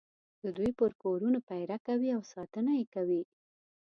د دوی پر کورونو پېره کوي او ساتنه یې کوي.